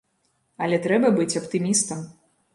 Але трэба быць аптымістам.